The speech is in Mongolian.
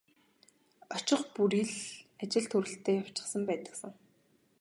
Очих бүрий л ажил төрөлтэй явчихсан байдаг сан.